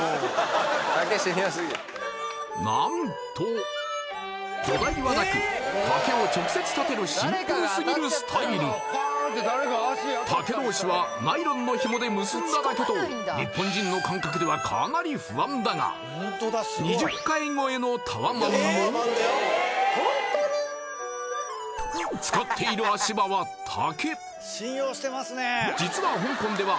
何と土台はなく竹を直接建てるシンプルすぎるスタイル竹同士はナイロンのひもで結んだだけと日本人の感覚ではかなり不安だが２０階超えのタワマンも使っている足場は竹！